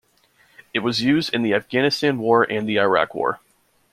It was used in the Afghanistan War and the Iraq War.